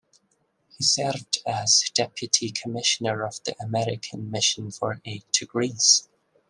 He served as Deputy Commissioner of the American Mission for Aid to Greece.